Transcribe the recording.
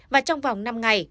và trong vòng năm ngày